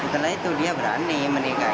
setelah itu dia berani menikah